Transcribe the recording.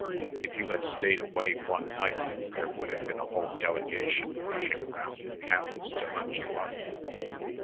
If you had stayed away one night, there would have been a whole delegation rushing around the campus to hunt you up."